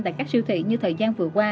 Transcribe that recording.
tại các siêu thị như thời gian vừa qua